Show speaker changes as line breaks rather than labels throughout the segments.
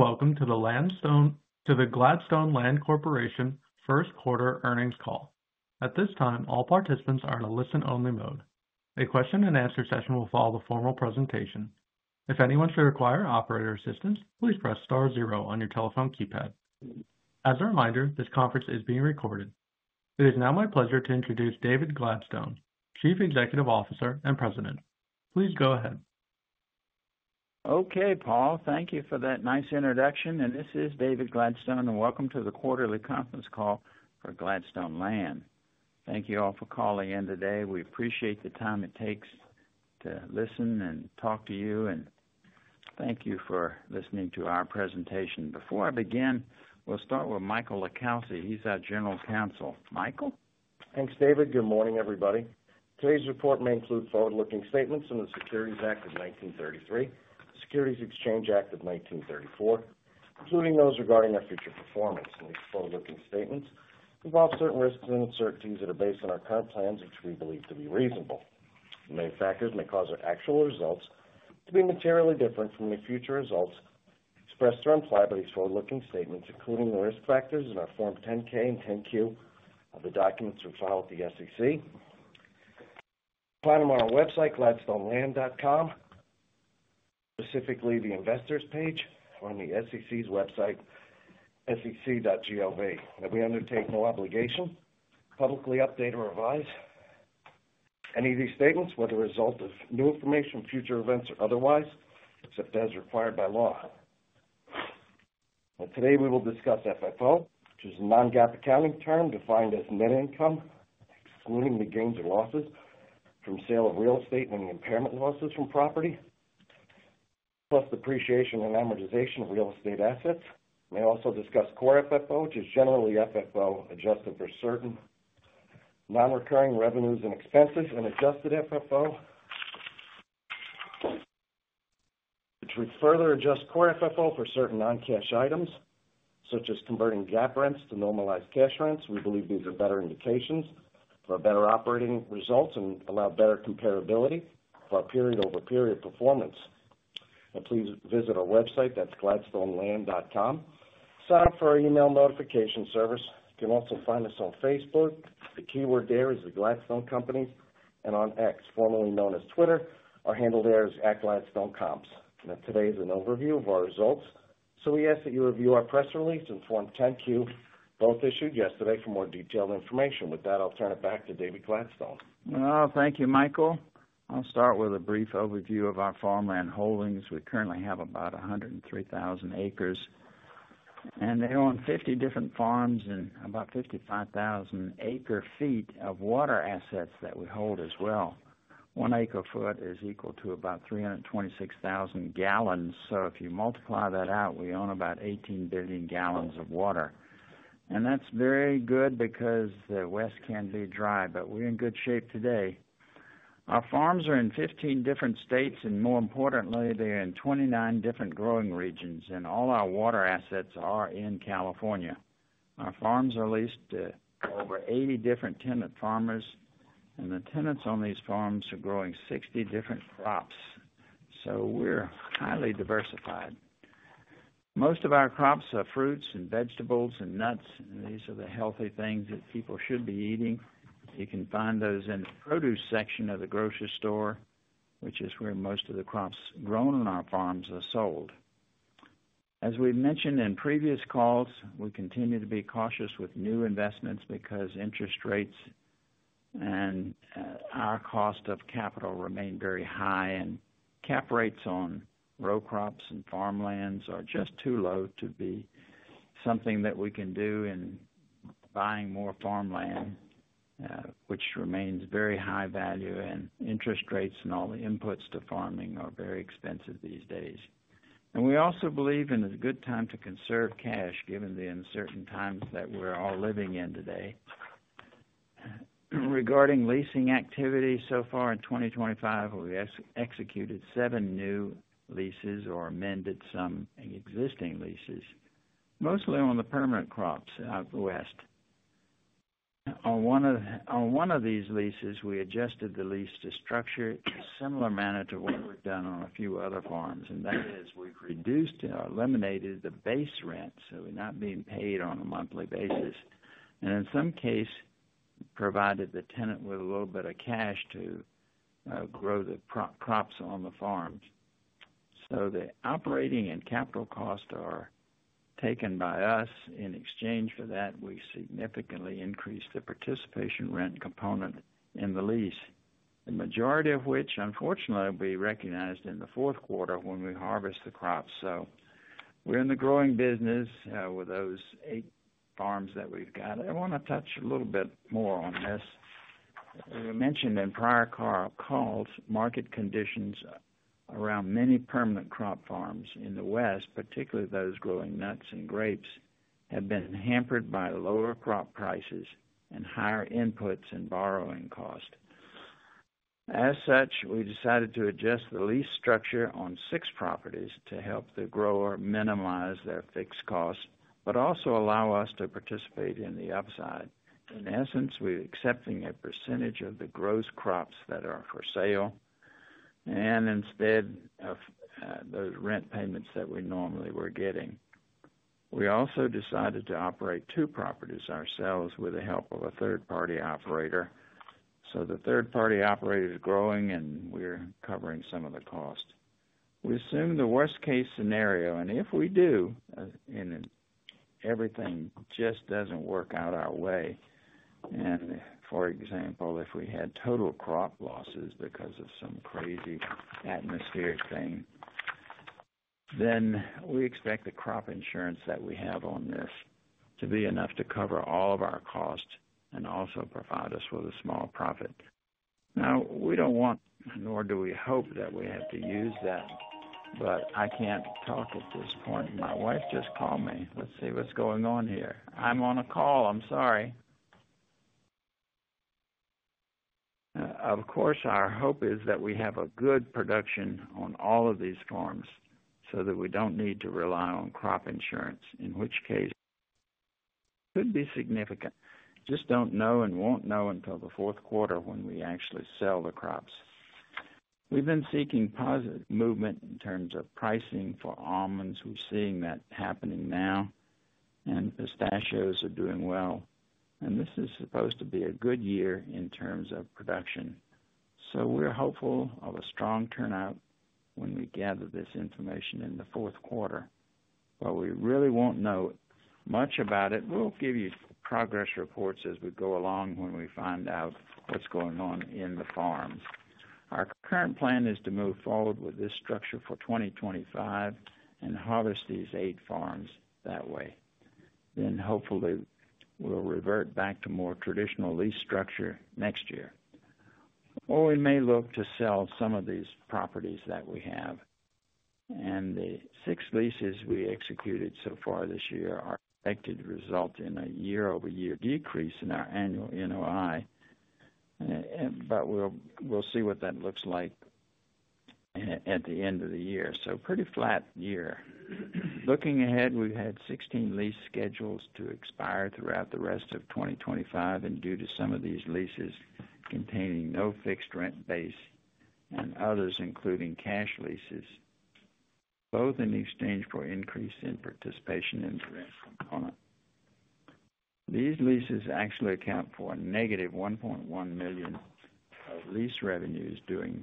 Welcome to the Gladstone Land Corporation first-quarter earnings call. At this time, all participants are in a listen-only mode. A question-and-answer session will follow the formal presentation. If anyone should require operator assistance, please press star zero on your telephone keypad. As a reminder, this conference is being recorded. It is now my pleasure to introduce David Gladstone, Chief Executive Officer and President. Please go ahead.
Okay, Paul, thank you for that nice introduction. This is David Gladstone, and welcome to the quarterly conference call for Gladstone Land. Thank you all for calling in today. We appreciate the time it takes to listen and talk to you, and thank you for listening to our presentation. Before I begin, we'll start with Michael LiCalsi. He's our General Counsel. Michael?
Thanks, David. Good morning, everybody. Today's report may include forward-looking statements in the Securities Act of 1933, Securities Exchange Act of 1934, including those regarding our future performance. These forward-looking statements involve certain risks and uncertainties that are based on our current plans, which we believe to be reasonable. Many factors may cause our actual results to be materially different from the future results expressed or implied by these forward-looking statements, including the risk factors in our Form 10-K and 10-Q of the documents we file with the SEC. We find them on our website, gladstoneland.com, specifically the investors' page on the SEC's website, sec.gov. We undertake no obligation to publicly update or revise any of these statements or the result of new information, future events, or otherwise, except as required by law. Today, we will discuss FFO, which is a non-GAAP accounting term defined as net income, excluding the gains or losses from sale of real estate and the impairment losses from property, plus depreciation and amortization of real estate assets. We may also discuss core FFO, which is generally FFO adjusted for certain non-recurring revenues and expenses, and adjusted FFO, which would further adjust core FFO for certain non-cash items, such as converting GAAP rents to normalized cash rents. We believe these are better indications for better operating results and allow better comparability for our period-over-period performance. Please visit our website, that's gladstoneland.com. Sign up for our email notification service. You can also find us on Facebook. The keyword there is the Gladstone Company. On X, formerly known as Twitter, our handle there is @gladstonecoms. Today is an overview of our results, so we ask that you review our press release and Form 10-Q, both issued yesterday, for more detailed information. With that, I'll turn it back to David Gladstone.
Thank you, Michael. I'll start with a brief overview of our farmland holdings. We currently have about 103,000 acres, and they own 50 different farms and about 55,000 acre-feet of water assets that we hold as well. One acre-foot is equal to about 326,000 gallons. If you multiply that out, we own about 18 billion gallons of water. That is very good because the West can be dry, but we're in good shape today. Our farms are in 15 different states, and more importantly, they're in 29 different growing regions. All our water assets are in California. Our farms are leased to over 80 different tenant farmers, and the tenants on these farms are growing 60 different crops. We are highly diversified. Most of our crops are fruits and vegetables and nuts, and these are the healthy things that people should be eating. You can find those in the produce section of the grocery store, which is where most of the crops grown on our farms are sold. As we've mentioned in previous calls, we continue to be cautious with new investments because interest rates and our cost of capital remain very high, and cap rates on row crops and farmlands are just too low to be something that we can do in buying more farmland, which remains very high value. Interest rates and all the inputs to farming are very expensive these days. We also believe it is a good time to conserve cash, given the uncertain times that we're all living in today. Regarding leasing activity, so far in 2025, we've executed seven new leases or amended some existing leases, mostly on the permanent crops out in the West. On one of these leases, we adjusted the lease to structure in a similar manner to what we've done on a few other farms, and that is we've reduced and eliminated the base rent, so we're not being paid on a monthly basis. In some cases, we provided the tenant with a little bit of cash to grow the crops on the farms. The operating and capital costs are taken by us. In exchange for that, we significantly increased the participation rent component in the lease, the majority of which, unfortunately, will be recognized in the fourth quarter when we harvest the crops. We're in the growing business with those eight farms that we've got. I want to touch a little bit more on this. We mentioned in prior calls market conditions around many permanent crop farms in the West, particularly those growing nuts and grapes, have been hampered by lower crop prices and higher inputs and borrowing cost. As such, we decided to adjust the lease structure on six properties to help the grower minimize their fixed costs, but also allow us to participate in the upside. In essence, we're accepting a percentage of the gross crops that are for sale and instead of those rent payments that we normally were getting. We also decided to operate two properties ourselves with the help of a third-party operator. The third-party operator is growing, and we're covering some of the cost. We assume the worst-case scenario, and if we do, and everything just doesn't work out our way. For example, if we had total crop losses because of some crazy atmospheric thing, then we expect the crop insurance that we have on this to be enough to cover all of our costs and also provide us with a small profit. Now, we do not want, nor do we hope that we have to use that, but I cannot talk at this point. My wife just called me. Let's see what's going on here. I'm on a call. I'm sorry. Of course, our hope is that we have a good production on all of these farms so that we do not need to rely on crop insurance, in which case it could be significant. Just do not know and will not know until the fourth quarter when we actually sell the crops. We have been seeking positive movement in terms of pricing for almonds. We're seeing that happening now, and pistachios are doing well. This is supposed to be a good year in terms of production. We are hopeful of a strong turnout when we gather this information in the fourth quarter. We really will not know much about it. We will give you progress reports as we go along when we find out what is going on in the farms. Our current plan is to move forward with this structure for 2025 and harvest these eight farms that way. Hopefully, we will revert back to a more traditional lease structure next year, or we may look to sell some of these properties that we have. The six leases we executed so far this year are expected to result in a year-over-year decrease in our annual NOI, but we will see what that looks like at the end of the year. Pretty flat year. Looking ahead, we've had 16 lease schedules to expire throughout the rest of 2025 due to some of these leases containing no fixed rent base and others including cash leases, both in exchange for increase in participation in the rent component. These leases actually account for a negative $1.1 million of lease revenues during the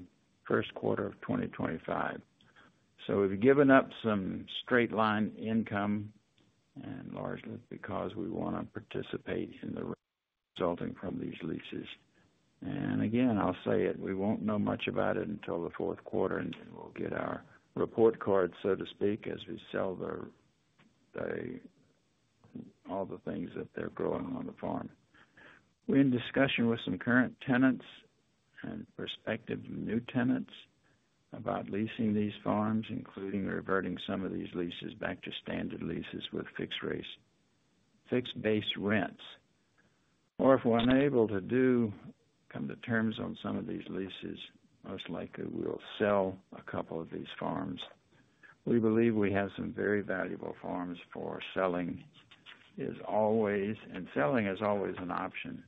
first quarter of 2025. We've given up some straight-line income largely because we want to participate in the resulting from these leases. Again, I'll say it. We won't know much about it until the fourth quarter, and then we'll get our report card, so to speak, as we sell all the things that they're growing on the farm. We're in discussion with some current tenants and prospective new tenants about leasing these farms, including reverting some of these leases back to standard leases with fixed base rents. If we are unable to come to terms on some of these leases, most likely we will sell a couple of these farms. We believe we have some very valuable farms for selling as always, and selling is always an option.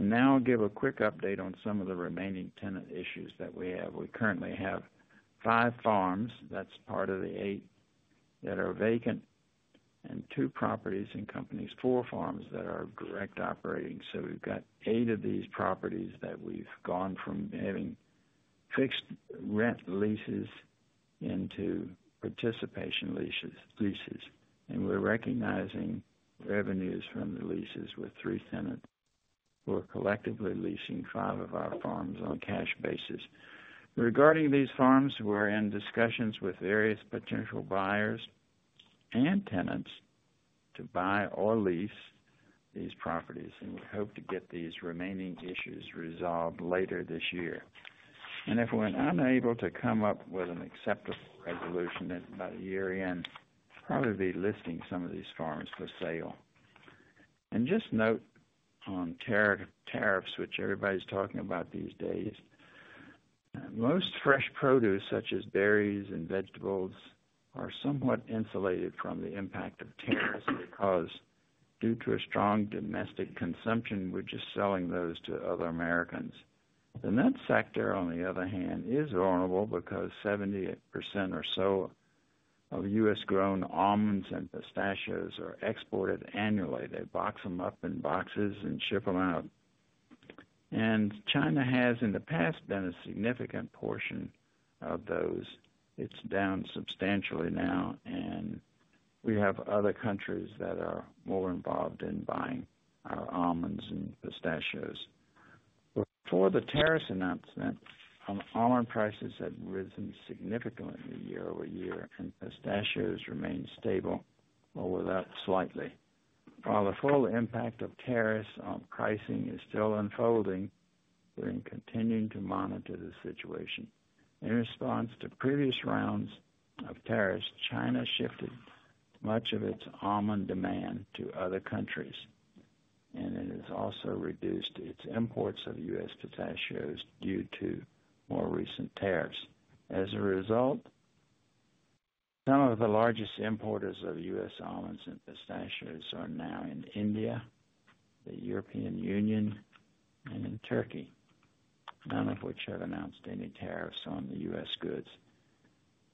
I will give a quick update on some of the remaining tenant issues that we have. We currently have five farms, that is part of the eight that are vacant, and two properties and companies four farms that are direct operating. We have eight of these properties that we have gone from having fixed rent leases into participation leases. We are recognizing revenues from the leases with three tenants. We are collectively leasing five of our farms on a cash basis. Regarding these farms, we are in discussions with various potential buyers and tenants to buy or lease these properties, and we hope to get these remaining issues resolved later this year. If we're unable to come up with an acceptable resolution at about a year in, we'll probably be listing some of these farms for sale. Just note on tariffs, which everybody's talking about these days, most fresh produce, such as berries and vegetables, are somewhat insulated from the impact of tariffs because, due to strong domestic consumption, we're just selling those to other Americans. The nut sector, on the other hand, is vulnerable because 70% or so of U.S.-grown almonds and pistachios are exported annually. They box them up in boxes and ship them out. China has in the past been a significant portion of those. It's down substantially now, and we have other countries that are more involved in buying our almonds and pistachios. Before the tariffs announcement, almond prices had risen significantly year over year, and pistachios remained stable or went up slightly. While the full impact of tariffs on pricing is still unfolding, we're continuing to monitor the situation. In response to previous rounds of tariffs, China shifted much of its almond demand to other countries, and it has also reduced its imports of U.S. pistachios due to more recent tariffs. As a result, some of the largest importers of U.S. almonds and pistachios are now in India, the European Union, and in Turkey, none of which have announced any tariffs on the U.S. goods.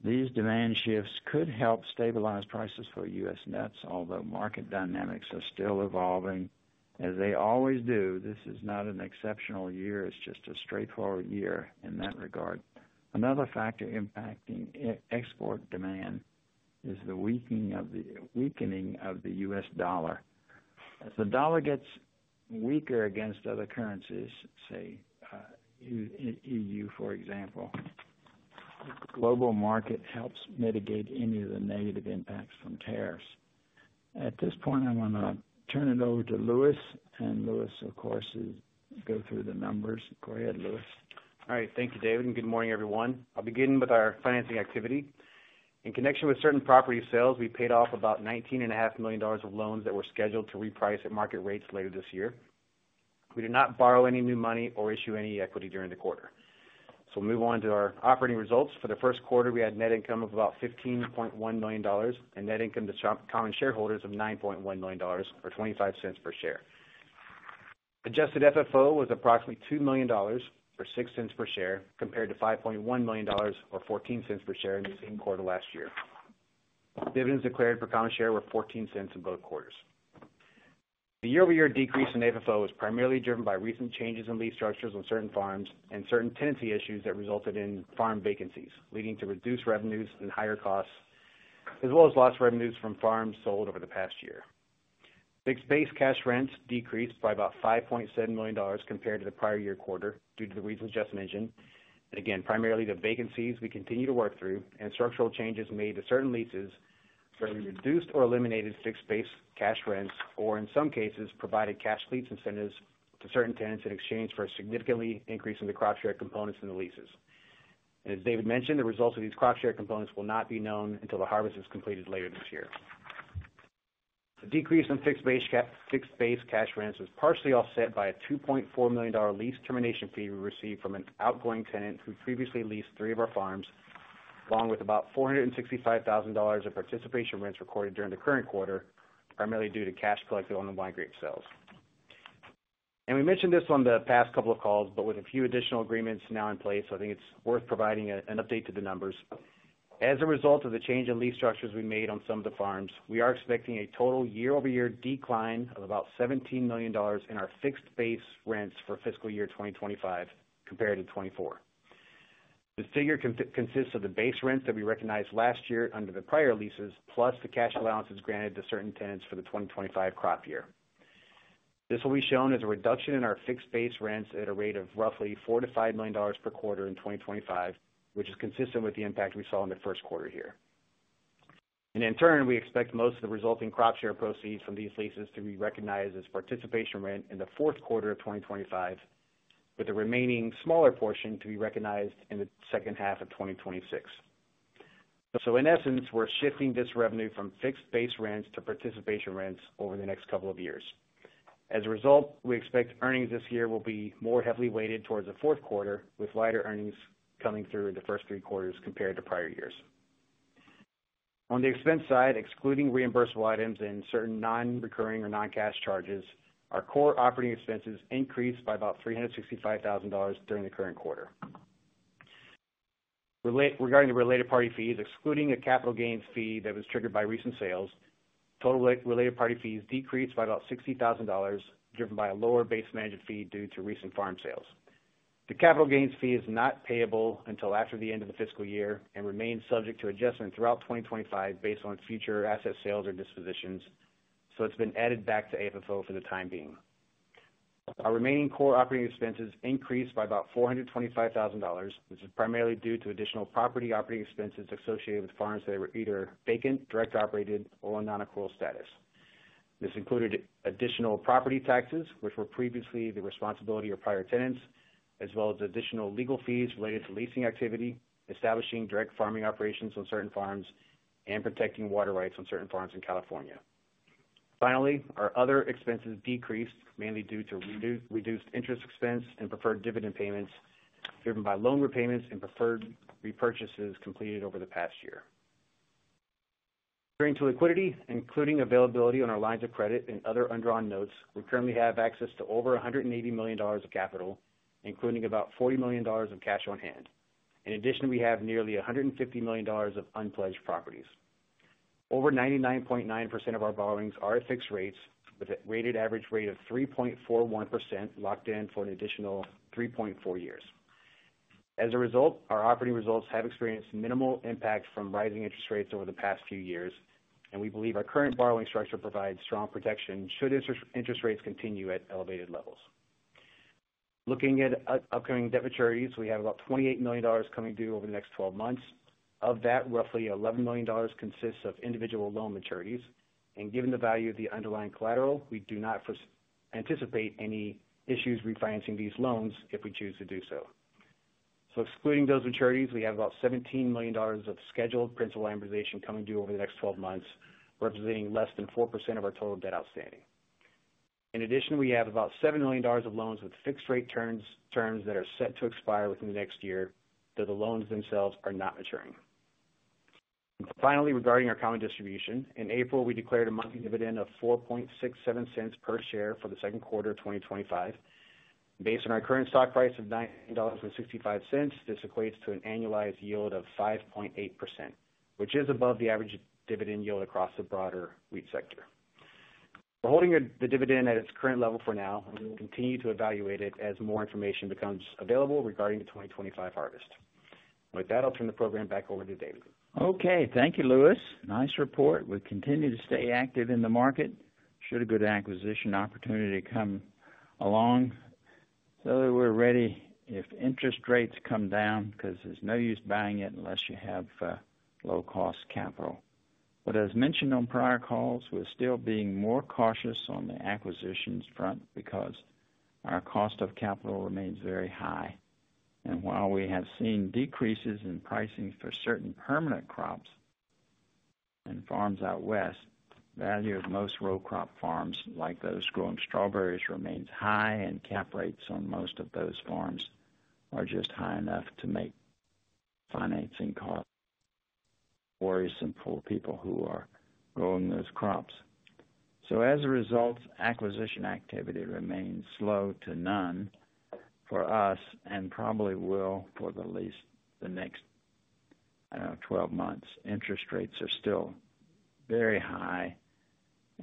These demand shifts could help stabilize prices for U.S. nuts, although market dynamics are still evolving. As they always do, this is not an exceptional year. It's just a straightforward year in that regard. Another factor impacting export demand is the weakening of the U.S. dollar. As the dollar gets weaker against other currencies, say EU, for example, the global market helps mitigate any of the negative impacts from tariffs. At this point, I'm going to turn it over to Lewis, and Lewis, of course, is going to go through the numbers. Go ahead, Lewis.
All right. Thank you, David. And good morning, everyone. I'll begin with our financing activity. In connection with certain property sales, we paid off about $19.5 million of loans that were scheduled to reprice at market rates later this year. We did not borrow any new money or issue any equity during the quarter. So we'll move on to our operating results. For the first quarter, we had net income of about $15.1 million and net income to common shareholders of $9.1 million or $0.25 per share. Adjusted FFO was approximately $2 million or $0.06 per share compared to $5.1 million or $0.14 per share in the same quarter last year. Dividends declared for common share were $0.14 in both quarters. The year-over-year decrease in FFO was primarily driven by recent changes in lease structures on certain farms and certain tenancy issues that resulted in farm vacancies, leading to reduced revenues and higher costs, as well as lost revenues from farms sold over the past year. Fixed base cash rents decreased by about $5.7 million compared to the prior year quarter due to the recent adjustment engine. Primarily the vacancies we continue to work through and structural changes made to certain leases where we reduced or eliminated fixed base cash rents or, in some cases, provided cash lease incentives to certain tenants in exchange for significantly increasing the crop share components in the leases. As David mentioned, the results of these crop share components will not be known until the harvest is completed later this year. The decrease in fixed base cash rents was partially offset by a $2.4 million lease termination fee we received from an outgoing tenant who previously leased three of our farms, along with about $465,000 of participation rents recorded during the current quarter, primarily due to cash collected on the wine grape sales. We mentioned this on the past couple of calls, but with a few additional agreements now in place, I think it's worth providing an update to the numbers. As a result of the change in lease structures we made on some of the farms, we are expecting a total year-over-year decline of about $17 million in our fixed base rents for fiscal year 2025 compared to 2024. This figure consists of the base rents that we recognized last year under the prior leases, plus the cash allowances granted to certain tenants for the 2025 crop year. This will be shown as a reduction in our fixed base rents at a rate of roughly $4 million-$5 million per quarter in 2025, which is consistent with the impact we saw in the first quarter here. In turn, we expect most of the resulting crop share proceeds from these leases to be recognized as participation rent in the fourth quarter of 2025, with the remaining smaller portion to be recognized in the second half of 2026. In essence, we're shifting this revenue from fixed base rents to participation rents over the next couple of years. As a result, we expect earnings this year will be more heavily weighted towards the fourth quarter, with lighter earnings coming through in the first three quarters compared to prior years. On the expense side, excluding reimbursable items and certain non-recurring or non-cash charges, our core operating expenses increased by about $365,000 during the current quarter. Regarding the related party fees, excluding a capital gains fee that was triggered by recent sales, total related party fees decreased by about $60,000 driven by a lower base management fee due to recent farm sales. The capital gains fee is not payable until after the end of the fiscal year and remains subject to adjustment throughout 2025 based on future asset sales or dispositions. It's been added back to FFO for the time being. Our remaining core operating expenses increased by about $425,000, which is primarily due to additional property operating expenses associated with farms that were either vacant, direct operated, or in non-accrual status. This included additional property taxes, which were previously the responsibility of prior tenants, as well as additional legal fees related to leasing activity, establishing direct farming operations on certain farms, and protecting water rights on certain farms in California. Finally, our other expenses decreased mainly due to reduced interest expense and preferred dividend payments driven by loan repayments and preferred repurchases completed over the past year. Turning to liquidity, including availability on our lines of credit and other underwritten notes, we currently have access to over $180 million of capital, including about $40 million of cash on hand. In addition, we have nearly $150 million of unpledged properties. Over 99.9% of our borrowings are at fixed rates with a weighted average rate of 3.41% locked in for an additional 3.4 years. As a result, our operating results have experienced minimal impact from rising interest rates over the past few years, and we believe our current borrowing structure provides strong protection should interest rates continue at elevated levels. Looking at upcoming debt maturities, we have about $28 million coming due over the next 12 months. Of that, roughly $11 million consists of individual loan maturities. Given the value of the underlying collateral, we do not anticipate any issues refinancing these loans if we choose to do so. Excluding those maturities, we have about $17 million of scheduled principal amortization coming due over the next 12 months, representing less than 4% of our total debt outstanding. In addition, we have about $7 million of loans with fixed rate terms that are set to expire within the next year, though the loans themselves are not maturing. Finally, regarding our common distribution, in April, we declared a monthly dividend of $0.0467 per share for the second quarter of 2025. Based on our current stock price of $9.65, this equates to an annualized yield of 5.8%, which is above the average dividend yield across the broader wheat sector. We're holding the dividend at its current level for now, and we will continue to evaluate it as more information becomes available regarding the 2025 harvest. With that, I'll turn the program back over to David.
Okay. Thank you, Lewis. Nice report. We continue to stay active in the market. Should a good acquisition opportunity come along, we are ready if interest rates come down because there is no use buying it unless you have low-cost capital. As mentioned on prior calls, we are still being more cautious on the acquisitions front because our cost of capital remains very high. While we have seen decreases in pricing for certain permanent crops and farms out west, the value of most row crop farms like those growing strawberries remains high, and cap rates on most of those farms are just high enough to make financing costs worrisome for people who are growing those crops. As a result, acquisition activity remains slow to none for us and probably will for at least the next, I do not know, 12 months. Interest rates are still very high,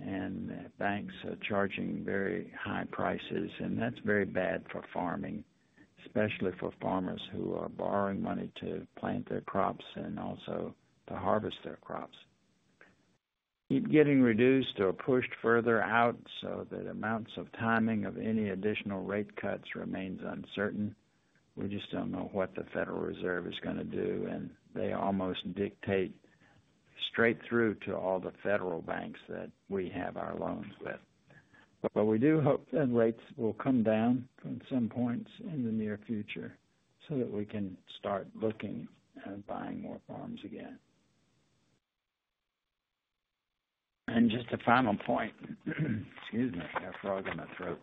and banks are charging very high prices, and that's very bad for farming, especially for farmers who are borrowing money to plant their crops and also to harvest their crops. Keep getting reduced or pushed further out, so the amounts of timing of any additional rate cuts remains uncertain. We just don't know what the Federal Reserve is going to do, and they almost dictate straight through to all the federal banks that we have our loans with. We do hope that rates will come down from some points in the near future so that we can start looking and buying more farms again. Just a final point. Excuse me. I have frogs in my throat.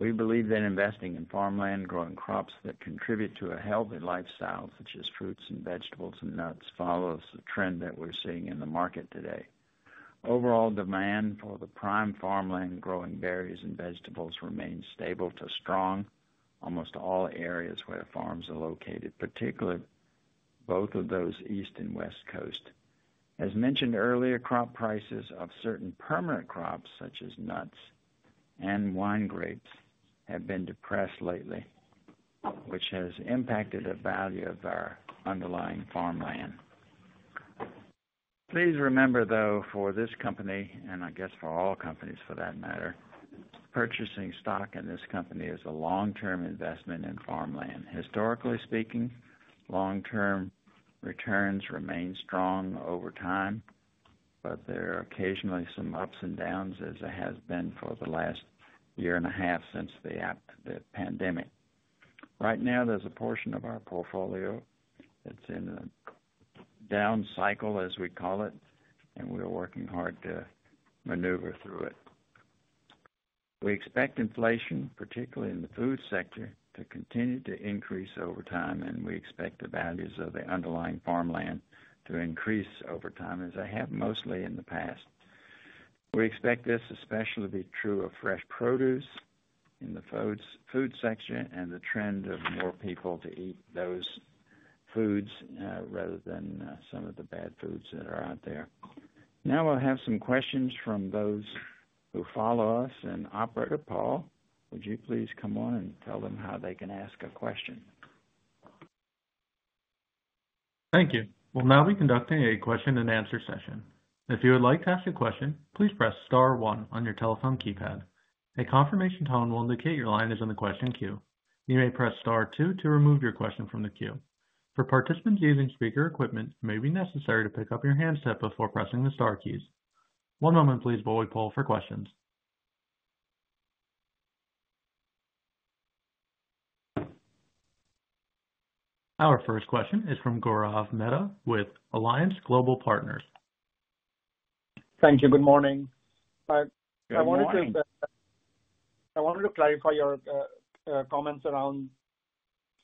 We believe that investing in farmland growing crops that contribute to a healthy lifestyle, such as fruits and vegetables and nuts, follows the trend that we're seeing in the market today. Overall demand for the prime farmland growing berries and vegetables remains stable to strong in almost all areas where farms are located, particularly both of those east and west coast. As mentioned earlier, crop prices of certain permanent crops, such as nuts and wine grapes, have been depressed lately, which has impacted the value of our underlying farmland. Please remember, though, for this company, and I guess for all companies for that matter, purchasing stock in this company is a long-term investment in farmland. Historically speaking, long-term returns remain strong over time, but there are occasionally some ups and downs, as there have been for the last year and a half since the pandemic. Right now, there's a portion of our portfolio that's in a down cycle, as we call it, and we're working hard to maneuver through it. We expect inflation, particularly in the food sector, to continue to increase over time, and we expect the values of the underlying farmland to increase over time, as they have mostly in the past. We expect this especially to be true of fresh produce in the food sector and the trend of more people to eat those foods rather than some of the bad foods that are out there. Now, we'll have some questions from those who follow us. Operator Paul, would you please come on and tell them how they can ask a question?
Thank you. Now we conduct a question-and-answer session. If you would like to ask a question, please press star one on your telephone keypad. A confirmation tone will indicate your line is on the question queue. You may press star two to remove your question from the queue. For participants using speaker equipment, it may be necessary to pick up your handset before pressing the star keys. One moment, please, while we poll for questions. Our first question is from Gaurav Mehta with Alliance Global Partners.
Thank you. Good morning. I wanted to clarify your comments around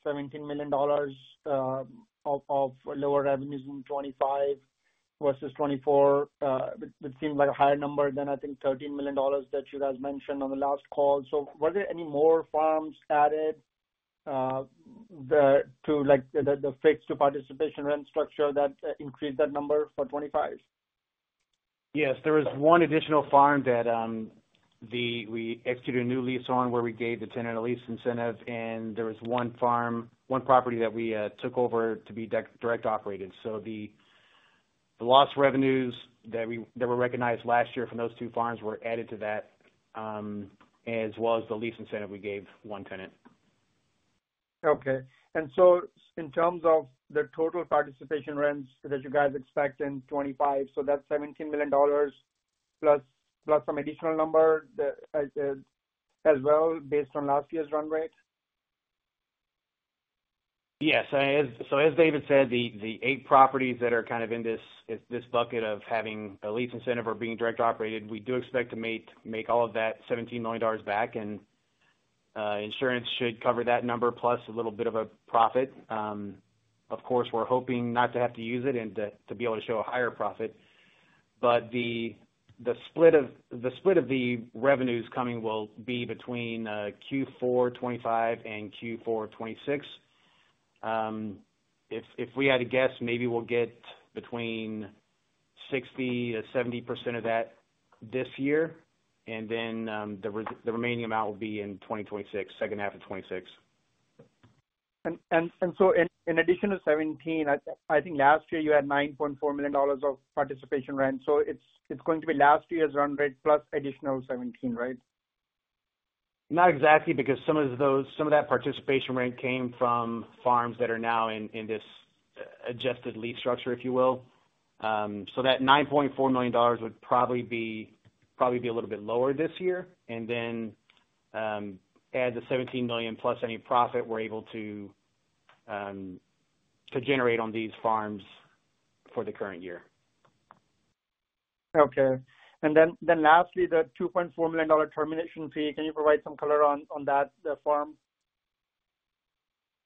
$17 million of lower revenues in 2025 versus 2024. It seemed like a higher number than, I think, $13 million that you guys mentioned on the last call. So were there any more farms added to the fixed-to-participation rent structure that increased that number for 2025?
Yes. There was one additional farm that we executed a new lease on where we gave the tenant a lease incentive, and there was one property that we took over to be direct operated. The lost revenues that were recognized last year from those two farms were added to that, as well as the lease incentive we gave one tenant.
Okay. In terms of the total participation rents that you guys expect in 2025, that is $17 million plus some additional number as well based on last year's run rate?
Yes. As David said, the eight properties that are kind of in this bucket of having a lease incentive or being direct operated, we do expect to make all of that $17 million back, and insurance should cover that number plus a little bit of a profit. Of course, we're hoping not to have to use it and to be able to show a higher profit. The split of the revenues coming will be between Q4 2025 and Q4 2026. If we had to guess, maybe we'll get between 60-70% of that this year, and then the remaining amount will be in 2026, second half of 2026.
In addition to $17 million, I think last year you had $9.4 million of participation rent. It is going to be last year's run rate plus additional $17 million, right?
Not exactly, because some of that participation rent came from farms that are now in this adjusted lease structure, if you will. So that $9.4 million would probably be a little bit lower this year. And then add the $17 million plus any profit we're able to generate on these farms for the current year.
Okay. And then lastly, the $2.4 million termination fee, can you provide some color on that farm?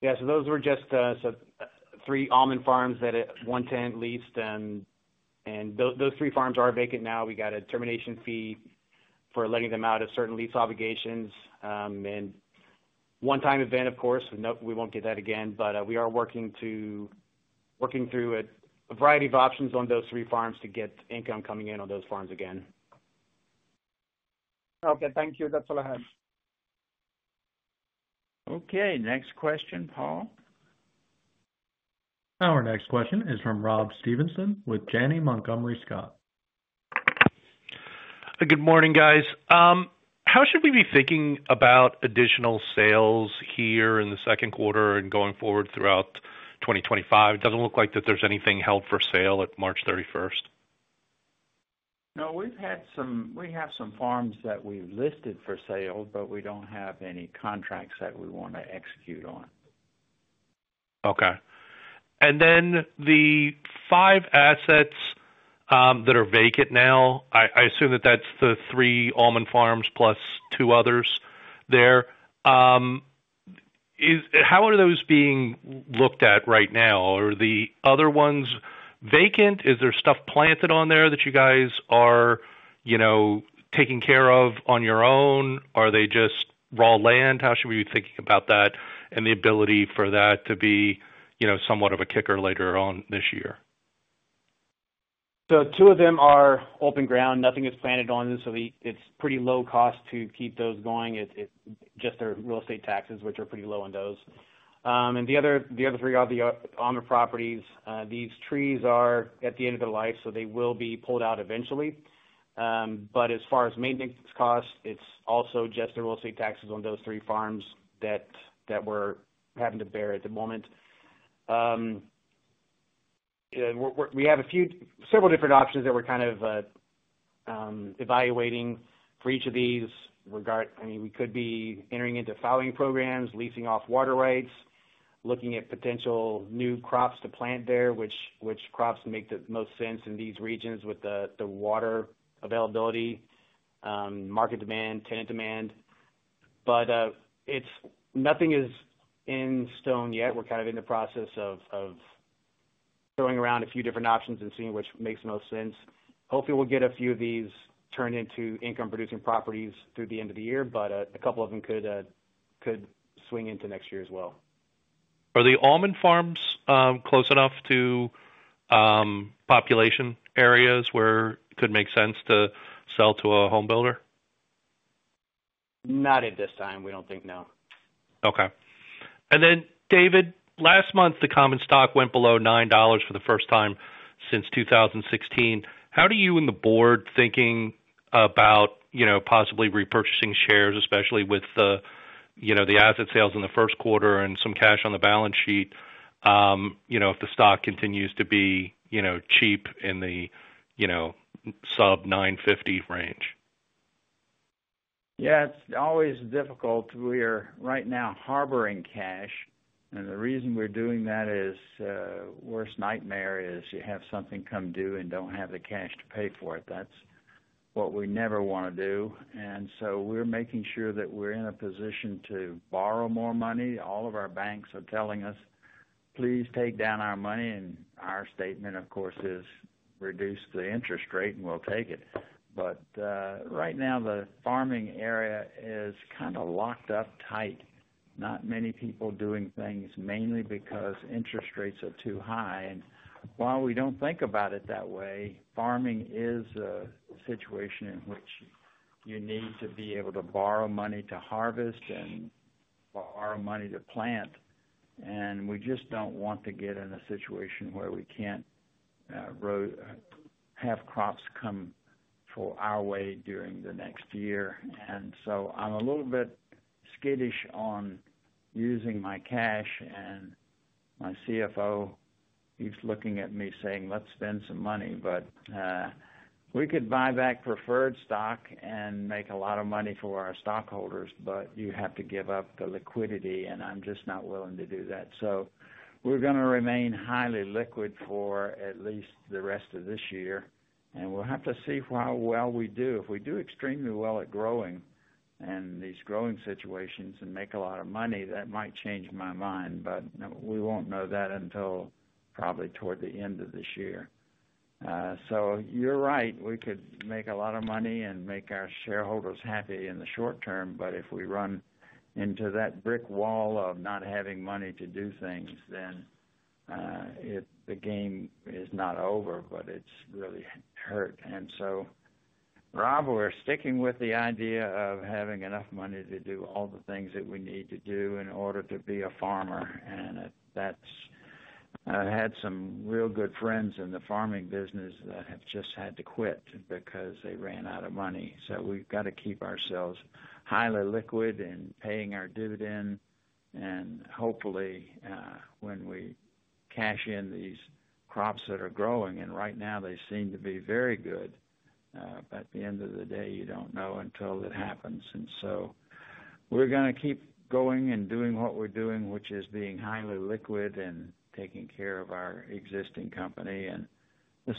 Yeah. So those were just three almond farms that one tenant leased, and those three farms are vacant now. We got a termination fee for letting them out of certain lease obligations. A one-time event, of course. We will not get that again, but we are working through a variety of options on those three farms to get income coming in on those farms again.
Okay. Thank you. That's all I have.
Okay. Next question, Paul.
Our next question is from Rob Stevenson with Janney Montgomery Scott.
Good morning, guys. How should we be thinking about additional sales here in the second quarter and going forward throughout 2025? It doesn't look like that there's anything held for sale at March 31.
No, we have some farms that we've listed for sale, but we don't have any contracts that we want to execute on.
Okay. And then the five assets that are vacant now, I assume that that's the three almond farms plus two others there. How are those being looked at right now? Are the other ones vacant? Is there stuff planted on there that you guys are taking care of on your own? Are they just raw land? How should we be thinking about that and the ability for that to be somewhat of a kicker later on this year?
Two of them are open ground. Nothing is planted on them, so it's pretty low cost to keep those going. It's just their real estate taxes, which are pretty low on those. The other three are the almond properties. These trees are at the end of their life, so they will be pulled out eventually. As far as maintenance costs, it's also just the real estate taxes on those three farms that we're having to bear at the moment. We have several different options that we're kind of evaluating for each of these. I mean, we could be entering into fallowing programs, leasing off water rights, looking at potential new crops to plant there, which crops make the most sense in these regions with the water availability, market demand, tenant demand. Nothing is in stone yet. We're kind of in the process of throwing around a few different options and seeing which makes the most sense. Hopefully, we'll get a few of these turned into income-producing properties through the end of the year, but a couple of them could swing into next year as well.
Are the almond farms close enough to population areas where it could make sense to sell to a home builder? Not at this time. We don't think, no. Okay. And then, David, last month, the common stock went below $9 for the first time since 2016. How do you and the board think about possibly repurchasing shares, especially with the asset sales in the first quarter and some cash on the balance sheet if the stock continues to be cheap in the sub-$9.50 range?
Yeah. It's always difficult. We are right now harboring cash, and the reason we're doing that is the worst nightmare is you have something come due and do not have the cash to pay for it. That's what we never want to do. We are making sure that we're in a position to borrow more money. All of our banks are telling us, "Please take down our money." Our statement, of course, is, "Reduce the interest rate, and we'll take it." Right now, the farming area is kind of locked up tight. Not many people doing things, mainly because interest rates are too high. While we do not think about it that way, farming is a situation in which you need to be able to borrow money to harvest and borrow money to plant. We just do not want to get in a situation where we cannot have crops come our way during the next year. I am a little bit skittish on using my cash, and my CFO keeps looking at me saying, "Let's spend some money." We could buy back preferred stock and make a lot of money for our stockholders, but you have to give up the liquidity, and I am just not willing to do that. We are going to remain highly liquid for at least the rest of this year, and we will have to see how well we do. If we do extremely well at growing and these growing situations and make a lot of money, that might change my mind, but we will not know that until probably toward the end of this year. You are right. We could make a lot of money and make our shareholders happy in the short term, but if we run into that brick wall of not having money to do things, then the game is not over, but it's really hurt. Rob, we're sticking with the idea of having enough money to do all the things that we need to do in order to be a farmer. I've had some real good friends in the farming business that have just had to quit because they ran out of money. We've got to keep ourselves highly liquid and paying our dividend. Hopefully, when we cash in these crops that are growing, and right now, they seem to be very good, but at the end of the day, you don't know until it happens. We are going to keep going and doing what we are doing, which is being highly liquid and taking care of our existing company.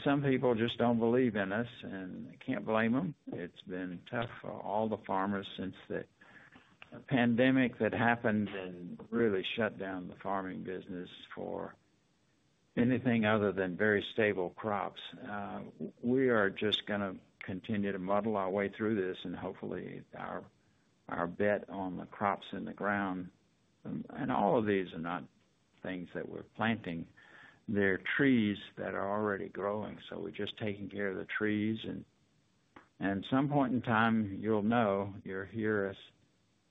Some people just do not believe in us, and I cannot blame them. It has been tough for all the farmers since the pandemic that happened and really shut down the farming business for anything other than very stable crops. We are just going to continue to muddle our way through this, and hopefully, our bet on the crops in the ground and all of these are not things that we are planting. They are trees that are already growing, so we are just taking care of the trees. At some point in time, you will know. You will hear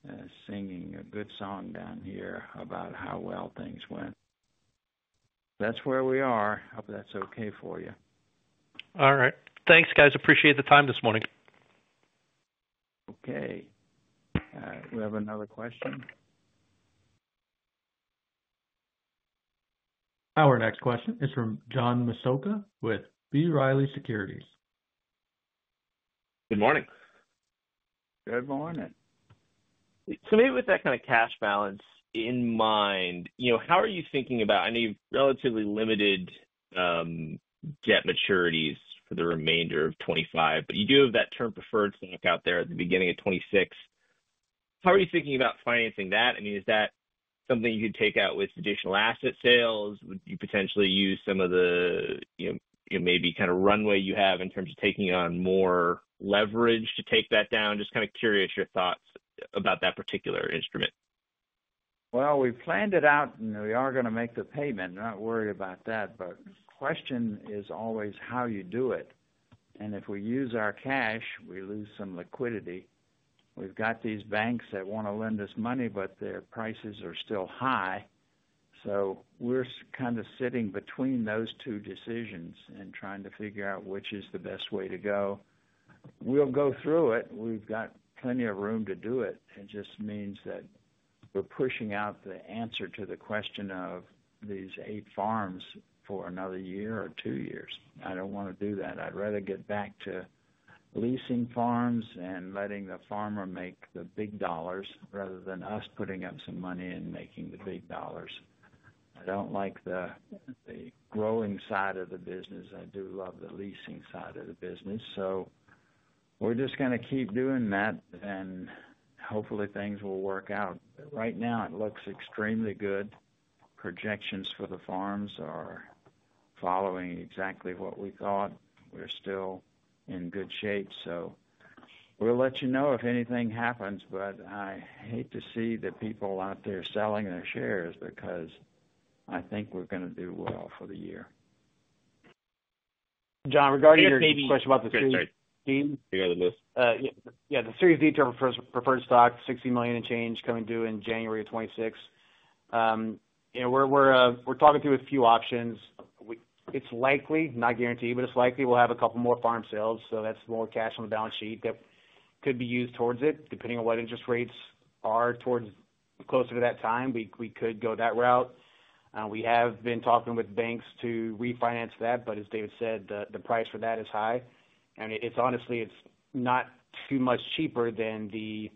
us singing a good song down here about how well things went. That is where we are. I hope that is okay for you.
All right. Thanks, guys. Appreciate the time this morning.
Okay. We have another question.
Our next question is from John Massocca with B. Riley Securities.
Good morning.
Good morning.
Maybe with that kind of cash balance in mind, how are you thinking about—I know you have relatively limited debt maturities for the remainder of 2025, but you do have that term preferred stock out there at the beginning of 2026. How are you thinking about financing that? I mean, is that something you could take out with additional asset sales? Would you potentially use some of the maybe kind of runway you have in terms of taking on more leverage to take that down? Just kind of curious your thoughts about that particular instrument.
We planned it out, and we are going to make the payment. I'm not worried about that, but the question is always how you do it. If we use our cash, we lose some liquidity. We've got these banks that want to lend us money, but their prices are still high. We are kind of sitting between those two decisions and trying to figure out which is the best way to go. We'll go through it. We've got plenty of room to do it. It just means that we're pushing out the answer to the question of these eight farms for another year or two years. I don't want to do that. I'd rather get back to leasing farms and letting the farmer make the big dollars rather than us putting up some money and making the big dollars. I don't like the growing side of the business. I do love the leasing side of the business. We are just going to keep doing that, and hopefully, things will work out. Right now, it looks extremely good. Projections for the farms are following exactly what we thought. We are still in good shape. We will let you know if anything happens, but I hate to see the people out there selling their shares because I think we are going to do well for the year.
John, regarding your question about the three—
You got the list?
Yeah. The Series D Preferred Stock, $60 million and change, coming due in January of 2026. We're talking through a few options. It's likely—not guaranteed, but it's likely we'll have a couple more farm sales, so that's more cash on the balance sheet that could be used towards it, depending on what interest rates are towards closer to that time. We could go that route. We have been talking with banks to refinance that, but as David said, the price for that is high. Honestly, it's not too much cheaper than the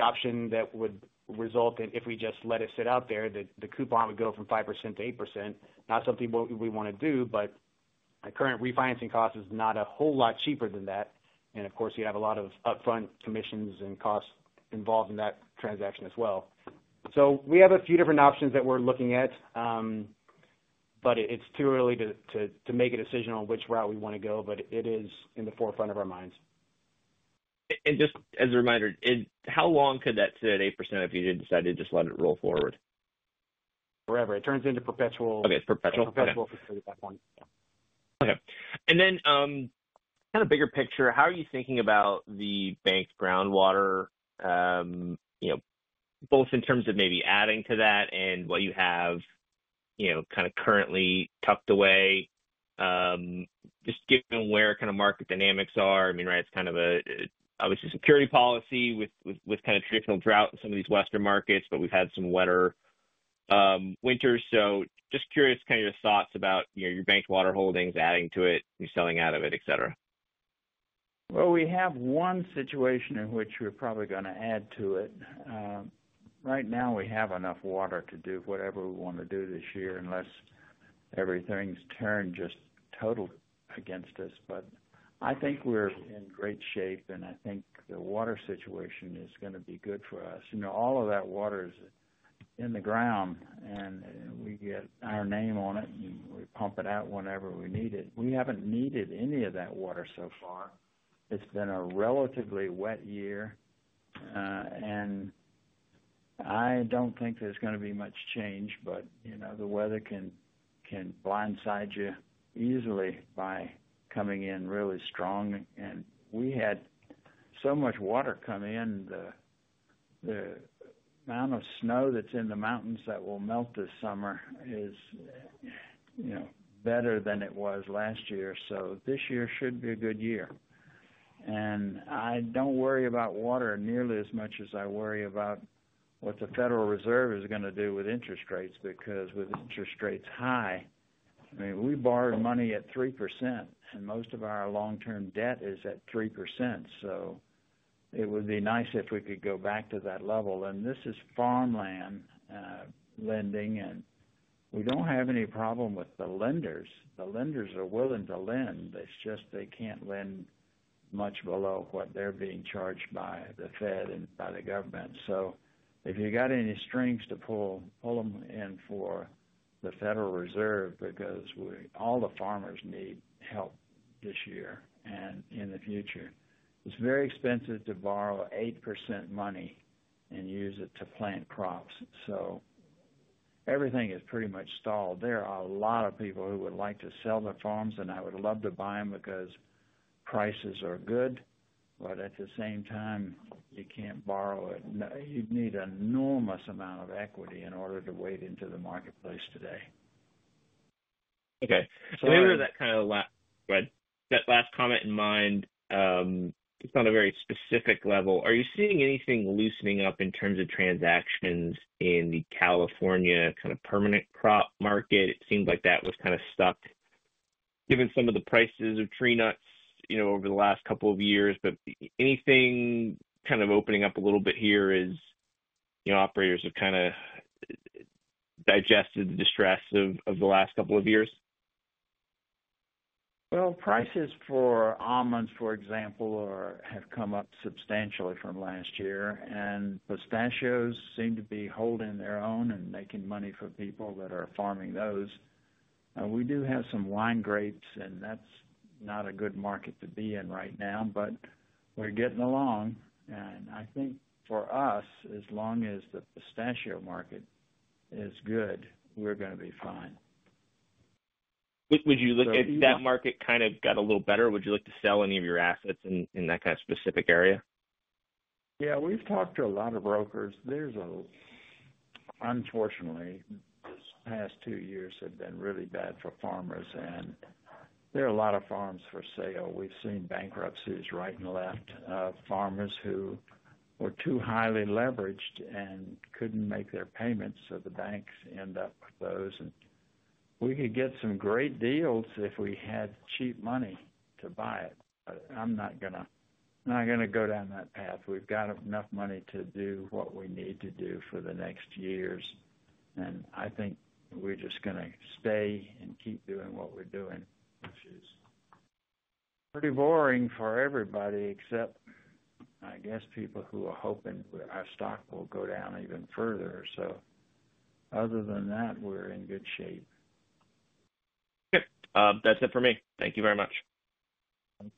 option that would result in, if we just let it sit out there, that the coupon would go from 5%-8%. Not something we want to do, but our current refinancing cost is not a whole lot cheaper than that. Of course, you have a lot of upfront commissions and costs involved in that transaction as well. We have a few different options that we're looking at, but it's too early to make a decision on which route we want to go, but it is in the forefront of our minds.
Just as a reminder, how long could that sit at 8% if you did decide to just let it roll forward?
Forever. It turns into perpetual.
Okay. It's perpetual.
Perpetual facility at that point.
Okay. And then kind of bigger picture, how are you thinking about the bank's groundwater, both in terms of maybe adding to that and what you have kind of currently tucked away, just given where kind of market dynamics are? I mean, right, it's kind of obviously security policy with kind of traditional drought in some of these western markets, but we've had some wetter winters. Just curious kind of your thoughts about your bank's water holdings, adding to it, you're selling out of it, etc.
We have one situation in which we're probably going to add to it. Right now, we have enough water to do whatever we want to do this year unless everything's turned just total against us. I think we're in great shape, and I think the water situation is going to be good for us. All of that water is in the ground, and we get our name on it, and we pump it out whenever we need it. We haven't needed any of that water so far. It's been a relatively wet year, and I don't think there's going to be much change, but the weather can blindside you easily by coming in really strong. We had so much water come in. The amount of snow that is in the mountains that will melt this summer is better than it was last year, so this year should be a good year. I do not worry about water nearly as much as I worry about what the Federal Reserve is going to do with interest rates because with interest rates high, I mean, we borrowed money at 3%, and most of our long-term debt is at 3%. It would be nice if we could go back to that level. This is farmland lending, and we do not have any problem with the lenders. The lenders are willing to lend. It is just they cannot lend much below what they are being charged by the Fed and by the government. If you've got any strings to pull, pull them in for the Federal Reserve because all the farmers need help this year and in the future. It's very expensive to borrow 8% money and use it to plant crops. Everything is pretty much stalled. There are a lot of people who would like to sell their farms, and I would love to buy them because prices are good, but at the same time, you can't borrow it. You'd need an enormous amount of equity in order to wade into the marketplace today.
Okay. Maybe with that last comment in mind, just on a very specific level, are you seeing anything loosening up in terms of transactions in the California kind of permanent crop market? It seemed like that was kind of stuck given some of the prices of tree nuts over the last couple of years, but anything kind of opening up a little bit here as operators have kind of digested the distress of the last couple of years?
Prices for almonds, for example, have come up substantially from last year, and pistachios seem to be holding their own and making money for people that are farming those. We do have some wine grapes, and that's not a good market to be in right now, but we're getting along. I think for us, as long as the pistachio market is good, we're going to be fine.
Would you look at that market kind of got a little better? Would you like to sell any of your assets in that kind of specific area?
Yeah. We've talked to a lot of brokers. Unfortunately, these past two years have been really bad for farmers, and there are a lot of farms for sale. We've seen bankruptcies right and left of farmers who were too highly leveraged and could not make their payments, so the banks end up with those. We could get some great deals if we had cheap money to buy it, but I'm not going to go down that path. We've got enough money to do what we need to do for the next years, and I think we're just going to stay and keep doing what we're doing. It's pretty boring for everybody except, I guess, people who are hoping our stock will go down even further. Other than that, we're in good shape.
Okay. That's it for me. Thank you very much.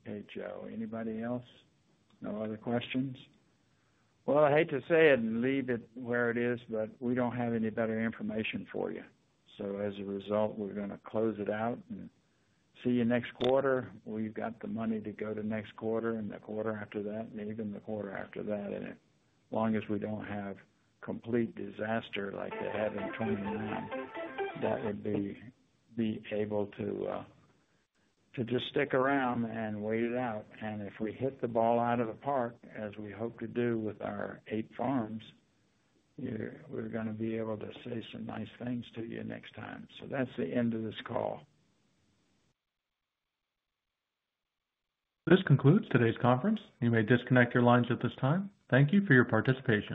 Okay, Joe. Anybody else? No other questions? I hate to say it and leave it where it is, but we do not have any better information for you. As a result, we are going to close it out and see you next quarter. We have got the money to go to next quarter and the quarter after that and even the quarter after that. As long as we do not have complete disaster like they had in 1929, that would be able to just stick around and wait it out. If we hit the ball out of the park, as we hope to do with our eight farms, we are going to be able to say some nice things to you next time. That is the end of this call.
This concludes today's conference. You may disconnect your lines at this time. Thank you for your participation.